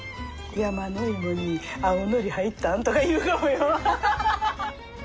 山の芋に青のり入ったん？とか言うかもよ。